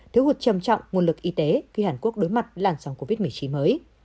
thiếu hụt trầm trọng nguồn lực y tế khi hàn quốc đối mặt làn sóng covid một mươi chín mới